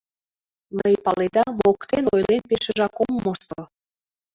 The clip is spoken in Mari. Мый, паледа, моктен ойлен пешыжак ом мошто.